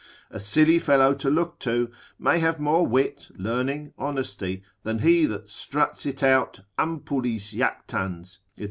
A silly fellow to look to, may have more wit, learning, honesty, than he that struts it out Ampullis jactans, &c.